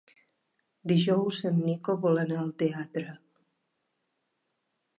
Dijous en Nico vol anar al teatre.